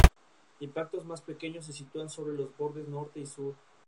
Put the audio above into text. Impactos más pequeños se sitúan sobre los bordes norte y sur.